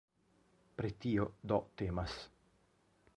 Pri tio, do, temas.